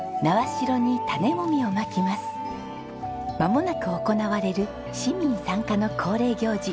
まもなく行われる市民参加の恒例行事